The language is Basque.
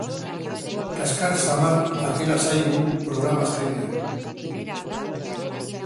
Kaskar samar atera zaigu programa azkenean.